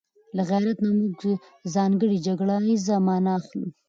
له غيرت نه موږ ځانګړې جګړه ييزه مانا اخلو